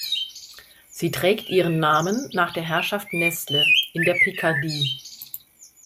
Sie trägt ihren Namen nach der Herrschaft Nesle in der Picardie.